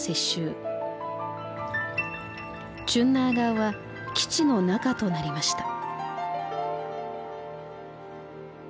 チュンナーガーは基地の中となりました。